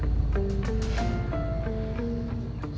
sampai dia meninggal deh sama sekali